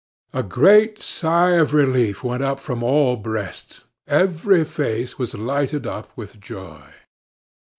A great sigh of relief went up from all breasts; every face was lighted up with joy.